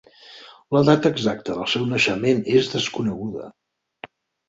La data exacta del seu naixement és desconeguda.